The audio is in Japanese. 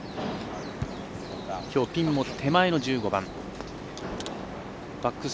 きょうピンも手前の１５番。